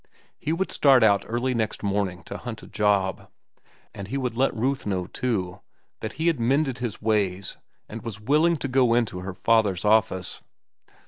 He would start out early next morning to hunt a job. And he would let Ruth know, too, that he had mended his ways and was willing to go into her father's office.